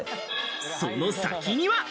その先には。